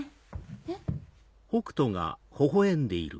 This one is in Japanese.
えっ？